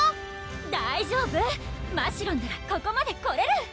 大丈夫ましろんならここまでこれる！